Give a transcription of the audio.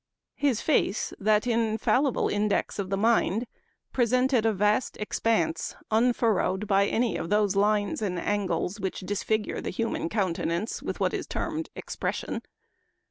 His face, that infallible index of the mind, presented a vast expanse, un furrowed by any of those lines and angles which disfigure the human countenance with what is termed expression.